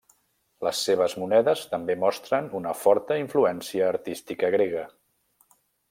Les seves monedes també mostren una forta influència artística grega.